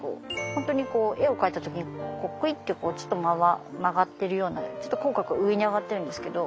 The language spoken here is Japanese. ホントに絵を描いた時にくいってちょっと曲がってるようなちょっと口角上に上がっているんですけど。